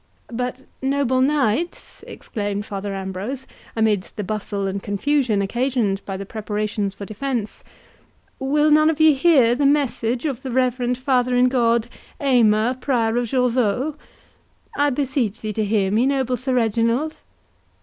"But, noble knights," exclaimed Father Ambrose, amidst the bustle and confusion occasioned by the preparations for defence, "will none of ye hear the message of the reverend father in God Aymer, Prior of Jorvaulx?—I beseech thee to hear me, noble Sir Reginald!"